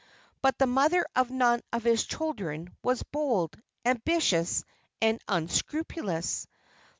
but the mother of none of his children, was bold, ambitious and unscrupulous.